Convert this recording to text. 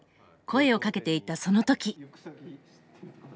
声をかけていたその時！